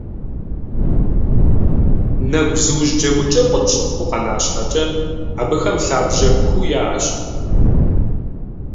Нэгузыужь джэгукӀэу къытщыхъуу къэна щхьэкӀэ, абыхэм лъабжьэ куу яӀэщ.